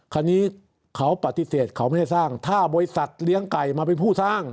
คราวนี้เขาปฏิเสธเขาไม่ให้สร้างถ้าบริษัทเลี้ยงไก่มาเป็นผู้สร้าง